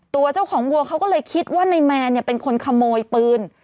ตัวเจ้าของวัวเขาก็เลยคิดว่านายแมนเป็นคนขโมยปืน